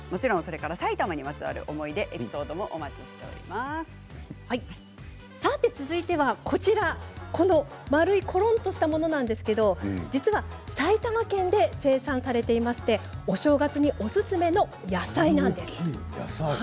埼玉にまつわる思い出続いては、丸いコロンとしたものなんですけど実は埼玉県で生産されていましてお正月におすすめの野菜なんです。